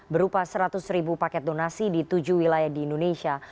berupa seratus ribu paket donasi di tujuh wilayah di indonesia